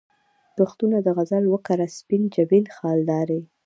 کښتونه د غزل وکره، سپین جبین خالدارې